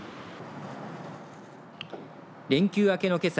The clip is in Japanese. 連休明けのけさ